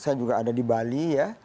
saya juga ada di bali ya